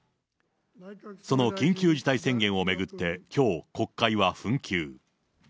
その緊急事態宣言を巡ってきょう、国会は紛糾。